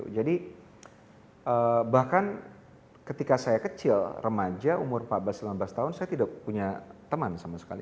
jadi bahkan ketika saya kecil remaja umur empat belas sembilan belas tahun saya tidak punya teman sama sekali